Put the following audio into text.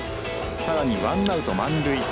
さらにワンアウト、満塁。